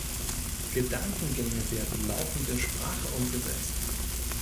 Gedankengänge werden laufend in Sprache umgesetzt.